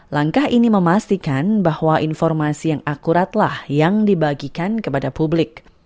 langkah ini memastikan bahwa informasi yang akuratlah yang dibagikan kepada publik